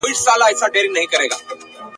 وئيل يې روغ عالم ﺯمونږ په درد کله خبريږي !.